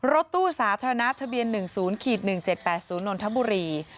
รถตู้สาธารณะทะเบียน๑๐๑๗๘๐นนทบุรี